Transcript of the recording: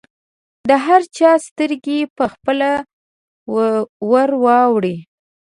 د هر چا سترګې به پخپله ورواوړي.